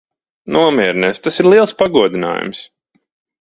Nomierinies. Tas ir liels pagodinājums.